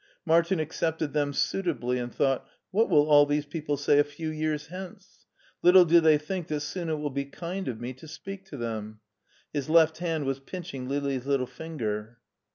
Martin accepted them suitably and thought " What will all these people say a few years hence ! Little do they think that soon it will be kind of me to speak to them." His left hand was pinching Lili's little finger.